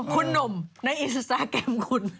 คุณหน่วมในอินโซกราบของคุณ